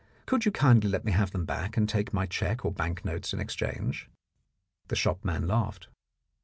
Could you kindly let me have them back and take my cheque or bank notes in exchange ?" The shopman laughed.